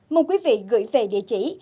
mong quý vị gửi về địa chỉ